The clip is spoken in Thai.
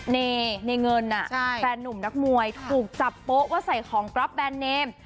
ในเงินแฟนหนุ่มนักมวยถูกจับโป๊ะว่าใส่ของกรอบแบรนดเนม